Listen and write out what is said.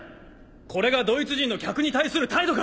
これがドイツ人の客に対する態度か！